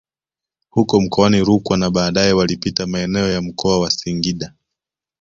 Huko mkoani Rukwa na baadae walipita maeneo ya mkoa wa Singida